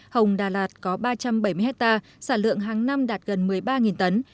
hồng đà lạt có ba trăm bảy mươi hectare sản lượng hàng năm đạt gần một mươi ba tấn